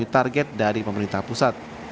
target dari pemerintah pusat